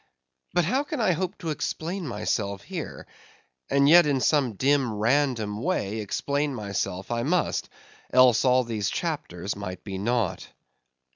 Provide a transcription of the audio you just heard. But how can I hope to explain myself here; and yet, in some dim, random way, explain myself I must, else all these chapters might be naught.